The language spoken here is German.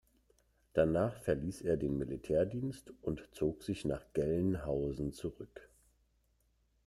Danach verließ er den Militärdienst und zog sich nach Gelnhausen zurück.